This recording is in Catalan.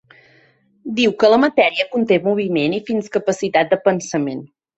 Diu que la matèria conté moviment i fins capacitat de pensament.